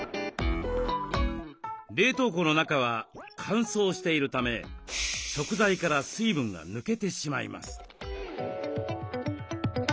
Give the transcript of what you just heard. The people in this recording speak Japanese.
冷凍庫の中は乾燥しているため食材から水分が抜けてしまいます。